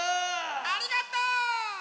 ありがとう！